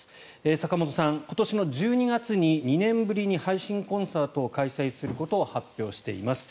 坂本さん、今年の１２月に２年ぶりに配信コンサートを開催することを発表しています。